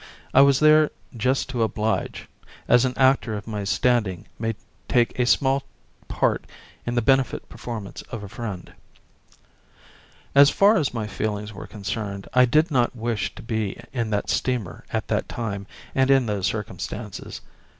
I was there "just to oblige," as an actor of standing may take a small part in the benefit performance of a friend. As far as my feelings were concerned I did not wish to be in that steamer at that time and in those circumstances.